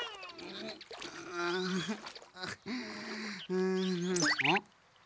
うんん？